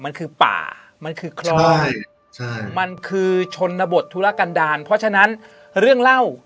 มันคือป่ามันคือครอบชนบทธุระกันดาลเพราะฉะนั้นเรื่องเล่า